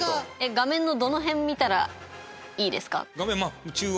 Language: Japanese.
画面のどの辺見たらいいですか？